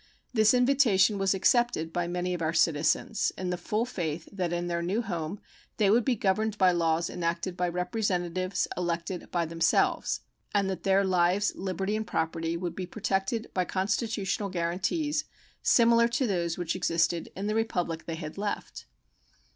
This invitation was accepted by many of our citizens in the full faith that in their new home they would be governed by laws enacted by representatives elected by themselves, and that their lives, liberty, and property would be protected by constitutional guaranties similar to those which existed in the Republic they had left.